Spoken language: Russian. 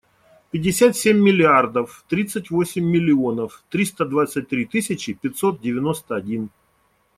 Пятьдесят семь миллиардов тридцать восемь миллионов триста двадцать три тысячи пятьсот девяносто один.